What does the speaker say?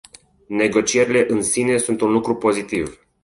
Negocierile în sine sunt un lucru pozitiv.